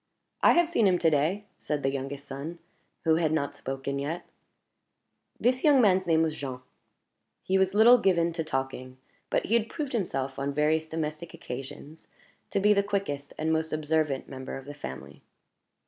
"I have seen him to day," said the youngest son, who had not spoken yet. This young man's name was Jean; he was little given to talking, but he had proved himself, on various domestic occasions, to be the quickest and most observant member of the family.